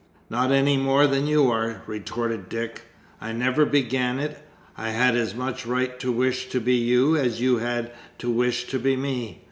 "Not any more than you are!" retorted Dick. "I never began it. I had as much right to wish to be you as you had to wish to be me.